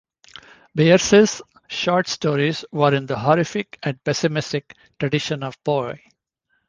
Bierce's short stories were in the horrific and pessimistic tradition of Poe.